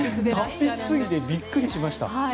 達筆すぎてびっくりしました。